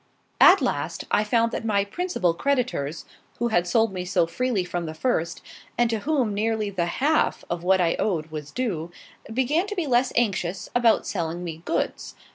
At last, I found that my principal creditors, who had sold me so freely from the first, and to whom nearly the half of what I owed was due, began to be less anxious about selling me goods.